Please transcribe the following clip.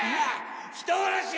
人殺し！